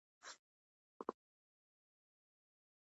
دافغانستان د اسلامي جمهوریت رئیس